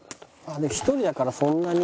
で１人だからそんなに。